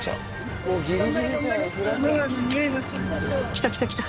来た来た来た。